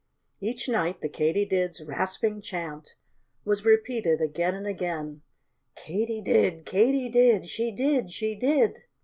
Each night the Katydids' rasping chant was repeated again and again: _Katy did, Katy did; she did, she did!